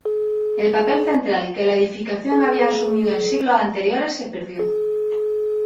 El papel central que la edificación había asumido en siglos anteriores se perdió.